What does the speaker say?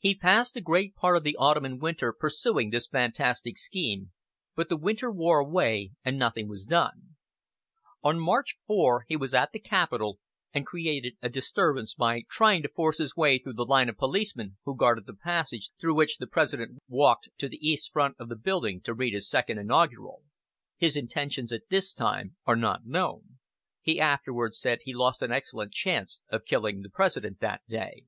He passed a great part of the autumn and winter pursuing this fantastic scheme, but the winter wore away, and nothing was done. On March 4 he was at the Capitol, and created a disturbance by trying to force his way through the line of policemen who guarded the passage through which the President walked to the East front of the building to read his Second Inaugural. His intentions at this time are not known. He afterwards said he lost an excellent chance of killing the President that day.